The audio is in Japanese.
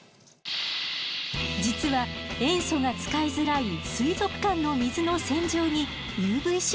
実は塩素が使いづらい水族館の水の洗浄にＵＶーＣが使われているの。